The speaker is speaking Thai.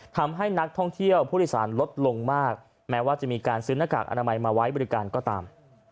ทำให้นักท่องเที่ยวผู้โดยสารลดลงมากแม้ว่าจะมีการซื้อหน้ากากอนามัยมาไว้บริการก็ตาม